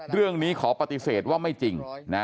เรื่องนี้ขอปฏิเสธว่าไม่จริง